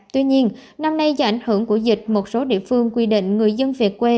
tuy nhiên năm nay do ảnh hưởng của dịch một số địa phương quy định người dân về quê